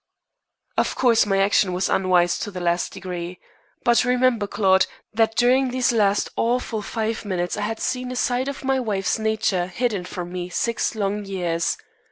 Of course my action was unwise to the last degree. But remember, Claude, that during these last awful five minutes I had seen a side of my wife's nature hidden from me six long years.